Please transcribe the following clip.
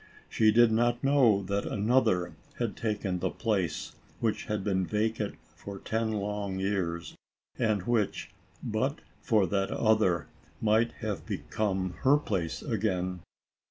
She \did not know that another had taken the place, which had been vacant for ten long years, and which, but for that other, might have become her place again.